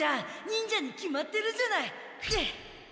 忍者に決まってるじゃない。